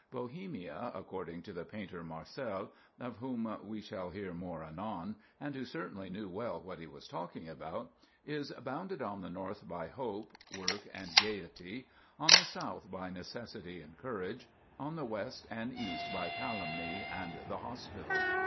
Bohemia, according to the painter Marcel, of whom we shall hear more anon, and who certainly knew well what he was talking about, is "bounded on the north by hope, work, and gayety; on the south by necessity and courage; on the west and east by calumny and the hospital."